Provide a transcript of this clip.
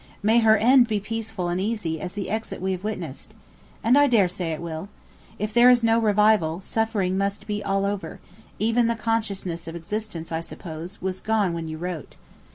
May her end be peaceful and easy as the exit we have witnessed! And I dare say it will. If there is no revival, suffering must be all over; even the consciousness of existence, I suppose, was gone when you wrote.